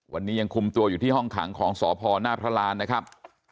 วันนี้ยังคุมตัวอยู่ที่ห้องขังของสพหน้าพระรานนะครับ